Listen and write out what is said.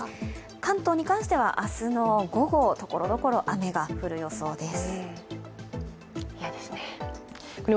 関東に関しては明日の午後ところどころ雨が降る予定です。